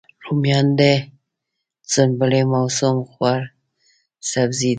رومیان د سنبلې موسم خوږ سبزی دی